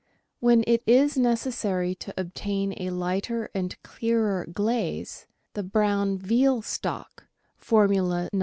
When it is necessary to obtain a lighter and clearer glaze, the brown veal stock (Formula No.